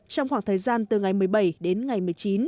trong khoảng thời gian từ ngày một mươi bảy đến ngày một mươi chín